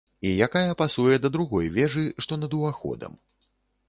І якая пасуе да другой вежы, што над уваходам.